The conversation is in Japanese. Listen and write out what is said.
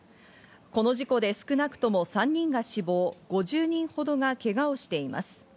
この事故で少なくとも３人が死亡、５０人ほどがけがをしています。